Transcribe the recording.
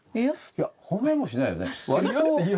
いや褒めもしないよね。